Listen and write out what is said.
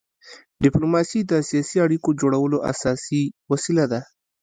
ډيپلوماسي د سیاسي اړیکو جوړولو اساسي وسیله ده.